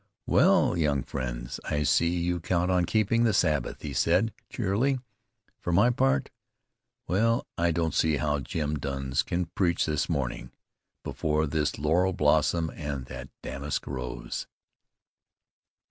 "Well, young friends, I see you count on keeping the Sabbath," he said cheerily. "For my part, Will, I don't see how Jim Douns can preach this morning, before this laurel blossom and that damask rose."